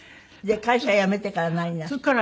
会社辞めてから何なすった？